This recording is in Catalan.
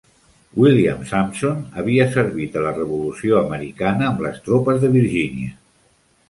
William Sampson havia servit a la Revolució Americana amb les tropes de Virgínia.